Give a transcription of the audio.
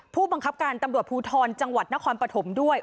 ผู้บังคับการตำรวจภูทรจังหวัดนครปฐมด้วย